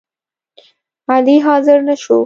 علي حاضر نشو